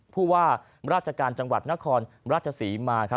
ผู้ว่าราชการจังหวัดนครราชศรีมา